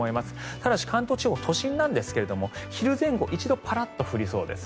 ただし関東地方、都心なんですが昼前後、一度パラッと降りそうです。